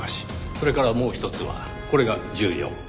それからもうひとつはこれが重要。